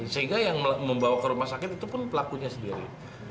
sehingga yang membawa ke rumah sakit itu pun pelakunya sendiri